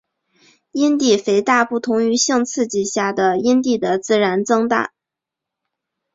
阴蒂肥大不同于性刺激下阴蒂的自然增大。